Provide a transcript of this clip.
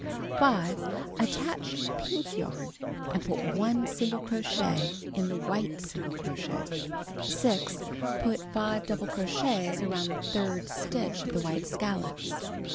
5. Attach pink yarn, and put 1 single crochet in the wliite single crochet. 6. Put 5 double crochets around the third stitch of the white scallops.